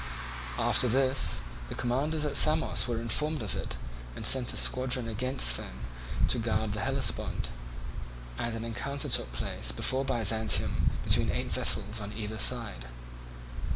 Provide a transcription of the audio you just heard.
After this, the commanders at Samos were informed of it, and sent a squadron against them to guard the Hellespont; and an encounter took place before Byzantium between eight vessels on either side.